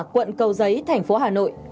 quận cầu giấy thành phố hà nội